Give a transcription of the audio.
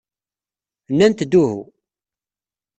Nnant-d uhu.